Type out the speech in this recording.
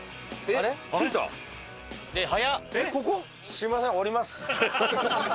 えっここ？